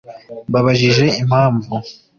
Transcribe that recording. Mbabajije impamvu